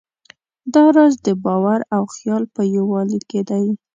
دا راز د باور او خیال په یووالي کې دی.